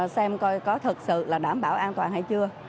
xem coi có thực sự là đảm bảo an toàn hay chưa